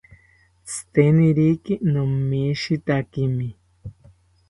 Tziteniriki nomishitakimi